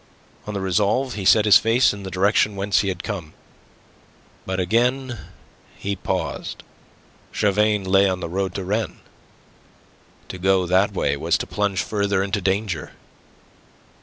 On the resolve he set his face in the direction whence he had come. But again he paused. Chavagne lay on the road to Rennes. To go that way was to plunge further into danger.